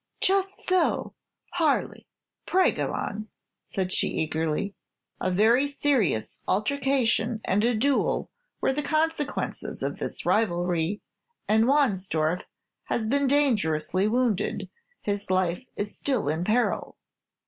"Just so, Harley. Pray go on," said she, eagerly. "A very serious altercation and a duel were the consequences of this rivalry, and Wahnsdorf has been dangerously wounded; his life is still in peril.